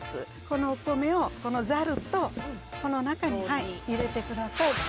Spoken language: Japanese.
このお米をこのザルとこの中に入れてください